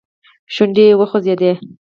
شونډي يې وخوځېدې.